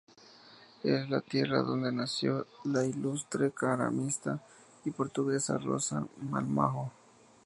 Es la tierra donde nació la ilustre ceramista portuguesa Rosa Ramalho.